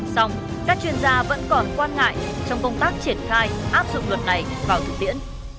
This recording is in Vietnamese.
xong các chuyên gia vẫn còn quan ngại trong công tác triển khai áp dụng luật này vào thực tiễn